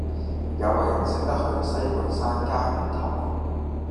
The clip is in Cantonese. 有無人識得去西半山加冕臺